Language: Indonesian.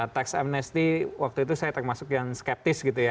tax amnesty waktu itu saya termasuk yang skeptis gitu ya